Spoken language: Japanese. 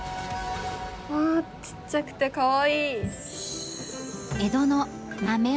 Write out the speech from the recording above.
うわちっちゃくてかわいい。